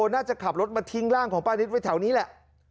น่าจะขับรถมาทิ้งร่างของป้านิตไว้แถวนี้แหละ